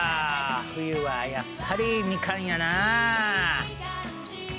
冬はやっぱりみかんやなあ！